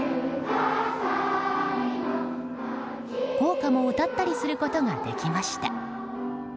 校歌も歌ったりすることができました。